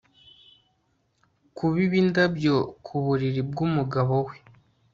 kubiba indabyo ku buriri bw'umugabo we